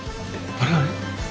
あれあれ？